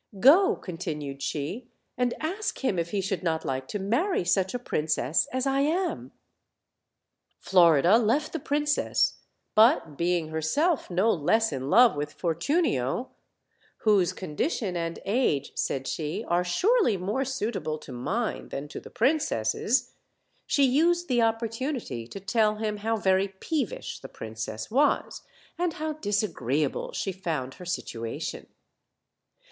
Go," con tinued she, "and ask him if he should not like to marry such a princess as I am." Florida left the princess; but being herself no less in love with Fortunio, "whose condition and age," said she, "are surely more suitable to mine than to the princess'," she used the opportunity to tell him how very peevish the princess was, and how disagreeable she found her sit uation.